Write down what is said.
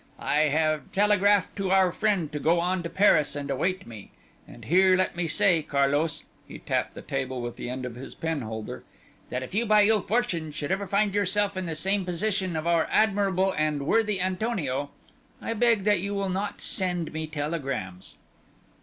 I have telegraphed to our friend to go on to Paris and await me, and here let me say, Carlos," he tapped the table with the end of his penholder, "that if you by ill fortune should ever find yourself in the same position of our admirable and worthy Antonio, I beg that you will not send me telegrams."